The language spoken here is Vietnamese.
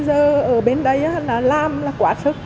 giờ ở bên đây là làm là quá sức